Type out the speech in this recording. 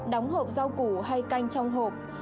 đóng hộp rau củ hay canh trong hộp